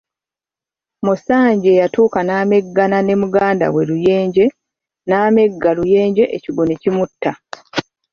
Musanje yatuuka n'ameggana ne muganda we Luyenje, n'amegga Luyenje ekigwo ne kimutta.